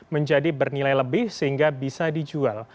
menjadi bernilai lebih sehingga bisa dijual